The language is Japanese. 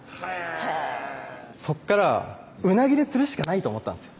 へぇそこから鰻で釣るしかないと思ったんですよ